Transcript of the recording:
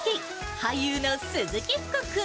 俳優の鈴木福